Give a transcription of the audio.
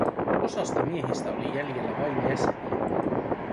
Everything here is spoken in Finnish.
Osasta miehistä oli jäljellä vain jäseniä.